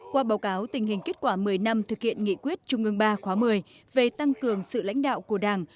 qua báo cáo tình hình kết quả một mươi năm thực hiện nghị quyết trung ương ba khóa một mươi về tăng cường sự lãnh đạo của đảng